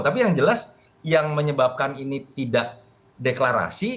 tapi yang jelas yang menyebabkan ini tidak deklarasi